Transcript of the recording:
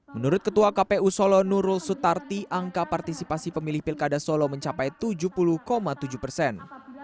menurut ketua kpu solo nurul sutarti angka partisipasi pemilih pilkada solo mencapai tujuh puluh tujuh persen